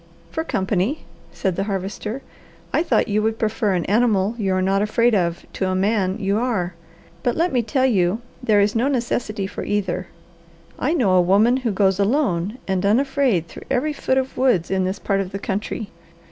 "For company," said the Harvester. "I thought you would prefer an animal you are not afraid of to a man you are. But let me tell you there is no necessity for either. I know a woman who goes alone and unafraid through every foot of woods in this part of the country.